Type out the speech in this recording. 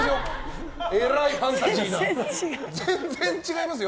全然違いますよ！